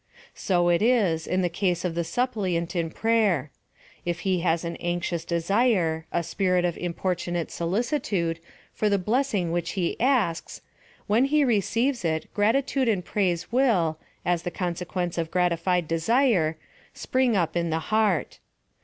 So it is in the case of the suppliant in prayer: if he has an anxious de sire, a spirit of importunate solicitude, for the bles sing which he asks, when he receives it, gratitude and praise will, as the consequence of gratified de sire, spring up in the heart.